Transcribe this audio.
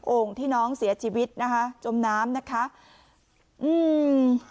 ่งที่น้องเสียชีวิตนะคะจมน้ำนะคะอืม